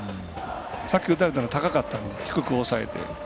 さっき打たれたのが高かったので、低く抑えて。